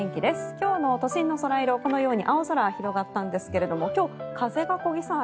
今日の都心のソライロこのように青空広がったんですが小木さん